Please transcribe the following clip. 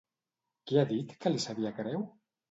Què ha dit que li sabia greu?